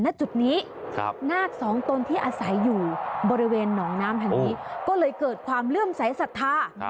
ณจุดนี้นาคสองตนที่อาศัยอยู่บริเวณหนองน้ำแห่งนี้ก็เลยเกิดความเลื่อมสายศรัทธา